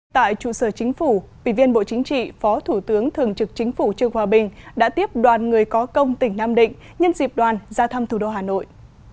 tại trụ sở chính phủ bị viên bộ chính trị phó thủ tướng thường trực chính phủ trương hòa bình đã tiếp đoàn người có công tỉnh nam định nhân dịp đoàn ra thăm thủ đô hà nội